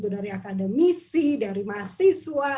dari akademisi dari mahasiswa